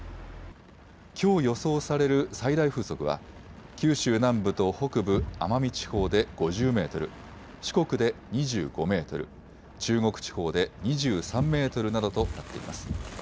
きょう予想される最大風速は九州南部と北部、奄美地方で５０メートル、四国で２５メートル、中国地方で２３メートルなどとなっています。